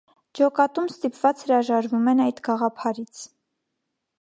Ջոկատում ստիպված հրաժարվում են այդ գաղափարից։